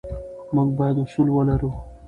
موږ باید اصول ولرو.